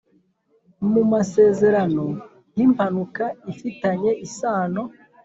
mu masezerano nk impanuka ifitanye isano